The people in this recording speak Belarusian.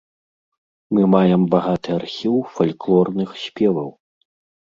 Мы маем багаты архіў фальклорных спеваў.